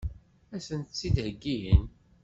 Ad sent-tt-id-heggin?